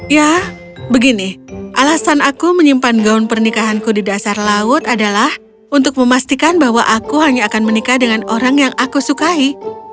ya begini alasan aku menyimpan gaun pernikahanku di dasar laut adalah untuk memastikan bahwa aku hanya akan menikah dengan orang yang aku sukai